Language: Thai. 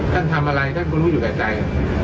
ท่านทำอะไรท่านก็รู้อยู่กับใจ